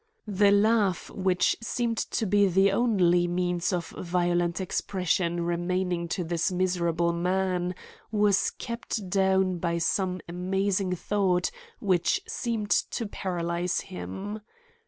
The laugh which seemed to be the only means of violent expression remaining to this miserable man was kept down by some amazing thought which seemed to paralyze him.